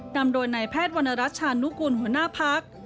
นำโดยนายแพทย์วรรณรัชชานุกุลหัวหน้าพัก